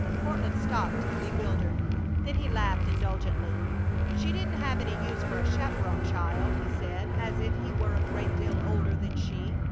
Courtland stopped, bewildered. Then he laughed indulgently. "She didn't have any use for a chaperon, child," he said, as if he were a great deal older than she.